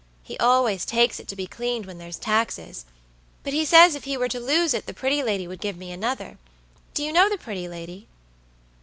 He always takes it to be cleaned when there's taxesbut he says if he were to lose it the pretty lady would give me another. Do you know the pretty lady?"